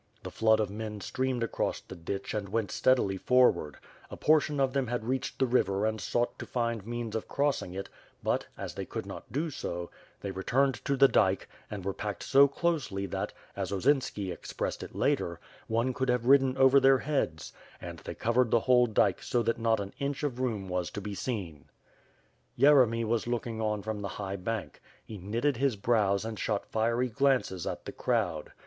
The flood of men streamed across the ditch and went steadily for ward; a portion of them had reached the river and sought to find means of crossing it but, as they could not do so, they returned to the dike, and were packed so closely that, as Osinski expressed it later, one could have ridden over 25 386 ^^^^^^^^^^^ SWORD. their heads; and they covered the whole dike so that not an inch of room was to be seen. Yeremy was looking on from the high bank. He knitted his brows and shot fiery glances at the crowd.